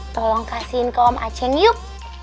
tolong kasihin ke om aceh nyup